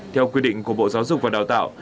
theo quy định của bộ giáo dục và đào tạo